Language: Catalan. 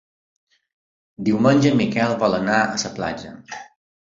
Diumenge en Miquel vol anar a la platja.